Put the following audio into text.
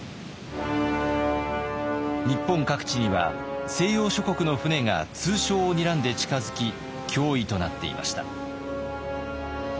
日本各地には西洋諸国の船が通商をにらんで近づき脅威となっていました。